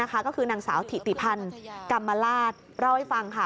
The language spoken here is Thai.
ก็คือนางสาวถิติพันธ์กรรมราชเล่าให้ฟังค่ะ